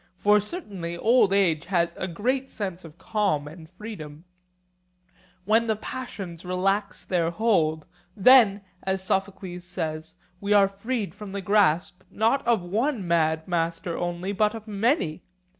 For certainly old age has a great sense of calm and freedom; when the passions relax their hold, then, as Sophocles says, we are freed from the grasp not of one mad master only, but of many.